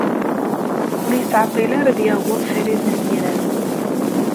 Ur yettɛeṭṭil ara ad d-yaweḍ Farid n At Yiraten.